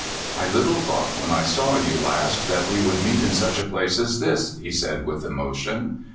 "I little thought when I saw you last that we would meet in such a place as this," he said with emotion.